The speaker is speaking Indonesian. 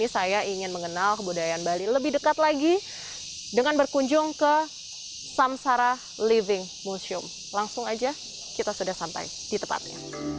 samsara living museum langsung aja kita sudah sampai di tempatnya